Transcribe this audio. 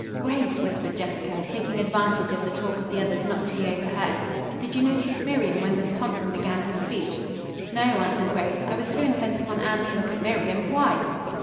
"Grace," whispered Jessica, taking advantage of the talk of the others not to be overheard, "did you notice Miriam when Miss Thompson began her speech?" "No," answered Grace, "I was too intent upon Anne to look at Miriam. Why?"